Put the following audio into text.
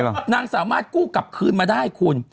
น่ากินมากเลยนะนางสามารถกู้กลับคืนมาได้คุณ